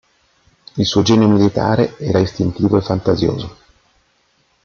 Il suo genio militare era istintivo e fantasioso.